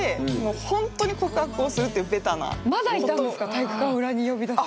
体育館裏に呼び出す。